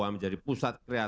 bisa menjadi pusat penggerak